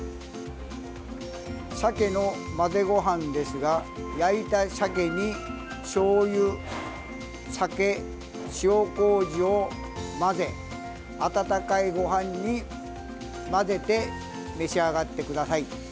鮭の混ぜごはんですが焼いた鮭にしょうゆ、酒、塩こうじを混ぜ温かいごはんに混ぜて召し上がってください。